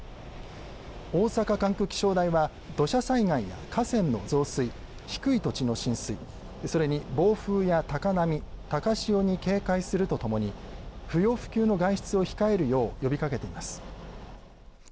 大阪管区気象台は土砂災害や河川の増水、低い土地の浸水それに暴風や高波、高潮に警戒するとともに不要不急の外出を控えるよう呼びかけています。